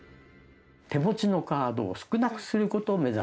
手持ちのカードを少なくすることを目指す。